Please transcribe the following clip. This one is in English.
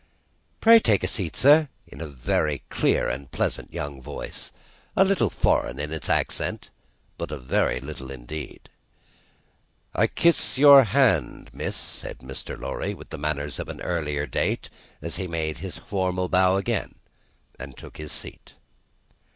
"Pray take a seat, sir." In a very clear and pleasant young voice; a little foreign in its accent, but a very little indeed. "I kiss your hand, miss," said Mr. Lorry, with the manners of an earlier date, as he made his formal bow again, and took his seat.